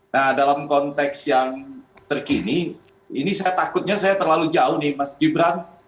nah dalam konteks yang terkini ini saya takutnya saya terlalu jauh nih mas gibran